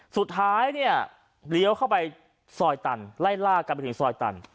สุดท้ายเนี่ยเลี้ยวเข้าไปซอยตันไล่ล่ากันไปถึงซอยตัน